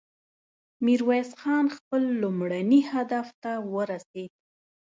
ميرويس خان خپل لومړني هدف ته ورسېد.